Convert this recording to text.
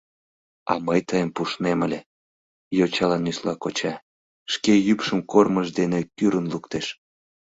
— А мый тыйым пуштнем ыле... — йочала нюсла коча, шке ӱпшым кормыж дене кӱрын луктеш.